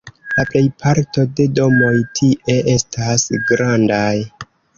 La plejparto de domoj tie estas grandaj.